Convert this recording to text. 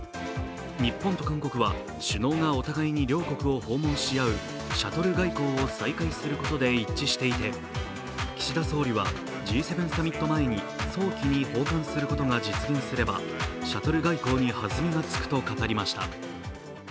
日本と韓国は首脳がお互い両国を訪問し合うシャトル外交を再開することで一致していて、岸田総理はＧ７サミット前に早期に訪韓することが実現すればシャトル外交にはずみがつくと語りました。